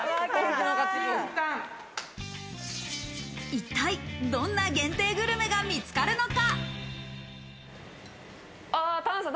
一体どんな限定グルメが見つかるのか？